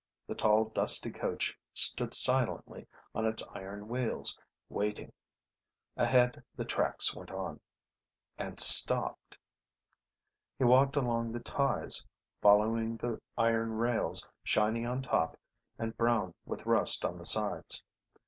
The tall, dusty coach stood silently on its iron wheels, waiting. Ahead the tracks went on And stopped. He walked along the ties, following the iron rails, shiny on top, and brown with rust on the sides.